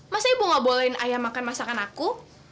masa ibu gak bolehin ayah makan masakan aku